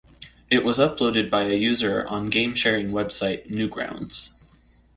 It was uploaded by a user on game-sharing web site Newgrounds.